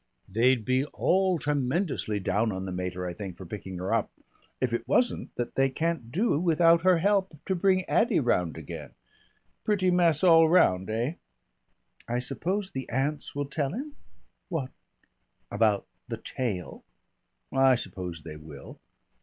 They'd be all tremendously down on the mater, I think, for picking her up, if it wasn't that they can't do without her help to bring Addy round again. Pretty mess all round, eh?" "I suppose the aunts will tell him?" "What?" "About the tail." "I suppose they will."